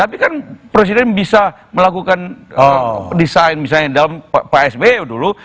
tapi kan presiden bisa melakukan desain misalnya dalam pak sby dulu